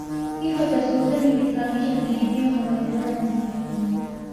Kifo cha sultani kilisababisha kudidimia kwa maendeleo ya mzizima